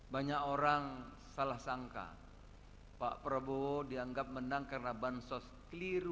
banyak orang salah sangka pak prabowo dianggap menang karena bansos keliru